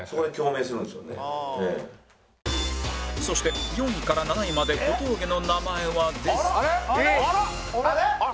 そして４位から７位まで小峠の名前は出ず